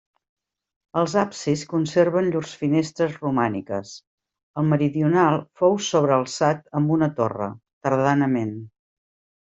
Els absis conserven llurs finestres romàniques; el meridional fou sobrealçat amb una torre, tardanament.